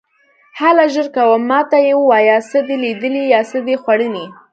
هله ژر کوه، ما ته یې ووایه، څه دې لیدلي یا څه دې خوړلي.